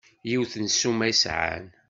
Yiwet n ssuma i sɛan?